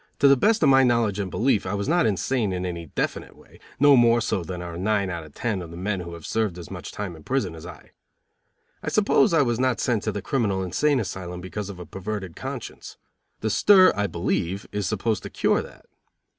To the best of my knowledge and belief I was not insane in any definite way no more so than are nine out of ten of the men who had served as much time in prison as I. I suppose I was not sent to the criminal insane asylum because of a perverted conscience. The stir, I believe, is supposed to cure that.